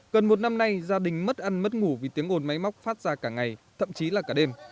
gần một năm nay gia đình mất ăn mất ngủ vì tiếng ồn máy móc phát ra cả ngày thậm chí là cả đêm